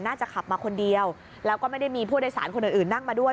น่าจะขับมาคนเดียวแล้วก็ไม่ได้มีผู้โดยสารคนอื่นนั่งมาด้วย